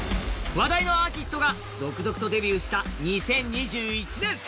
話題のアーティストが続々とデビューした２０２１年。